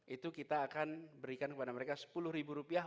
itu kita akan berikan kepada mereka sepuluh ribu rupiah